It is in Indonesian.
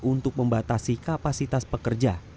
untuk membatasi kapasitas pekerja